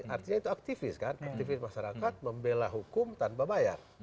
artinya itu aktivis kan aktivis masyarakat membela hukum tanpa bayar